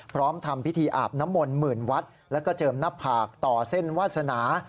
ทำพิธีอาบน้ำมนต์หมื่นวัดแล้วก็เจิมหน้าผากต่อเส้นวาสนา